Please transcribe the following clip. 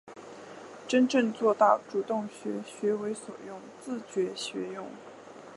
真正做到主动学、学为所用、自觉学用